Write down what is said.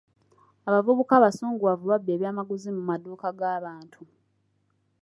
Abavubuka abasunguwavu babbye ebyamaguzi mu maduuka g'abantu.